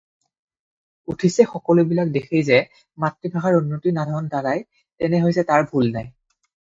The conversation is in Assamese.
উঠিছে সকলােবিলাক দেশেই যে মাতৃ-ভাষাৰ উন্নতি-নাধন দ্বাৰাই তেনে হৈছে তাৰ ভুল নাই